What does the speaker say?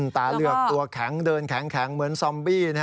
ตาเลือกตัวแข็งเดินแข็งเหมือนซอมบี้